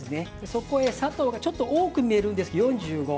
そこで砂糖がちょっと多く見えるんですが４５。